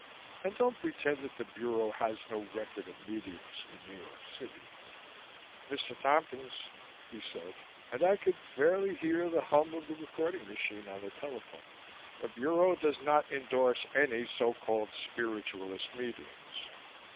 And don't pretend that the Bureau has no record of mediums in New York City." "Mr. Tompkins," he said and I could fairly hear the hum of the recording machine on the telephone "The Bureau does not endorse any so called spiritualist mediums.